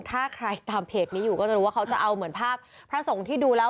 ถ้าใครตามเพจนี้อยู่ก็จะรู้ว่าเขาจะเอาเหมือนภาพพระสงฆ์ที่ดูแล้ว